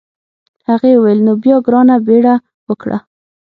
هغې وویل نو بیا ګرانه بیړه وکړه.